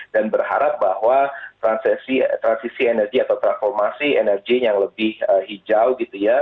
dan berharap bahwa transisi energi atau transformasi energi yang lebih hijau gitu ya